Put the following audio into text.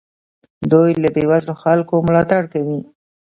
دوی له بې وزلو خلکو ملاتړ کوي.